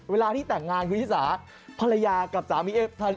เวลาที่แต่งงานคืออีสา